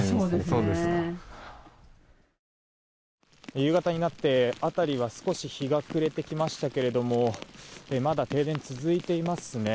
夕方になって辺りは少し日が暮れてきましたがまだ停電、続いていますね。